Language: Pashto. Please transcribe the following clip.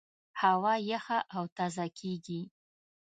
هوا یخه او تازه کېږي.